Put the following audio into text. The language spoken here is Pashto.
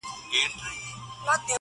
حال پوه سه، انگار پوه سه.